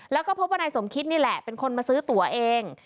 แล้วก็พบว่านายสมคิดนี่แหละเป็นคนมาซื้อตัวเอง